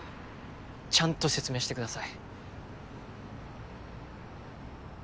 ちゃんと説明してください。